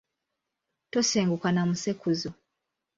Tosenguka na musekuzo.